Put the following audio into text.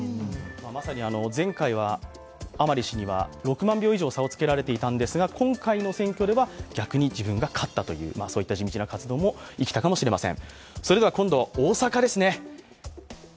まさに前回は甘利氏には６万票以上差を付けられていたんですが今回の選挙では逆に自分が勝ったという、地道な活動も生きたかもしれません。